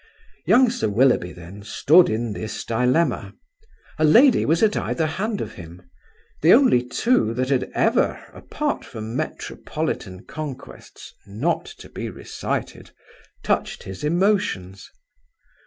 Young Sir Willoughby, then, stood in this dilemma: a lady was at either hand of him; the only two that had ever, apart from metropolitan conquests, not to be recited, touched his emotions.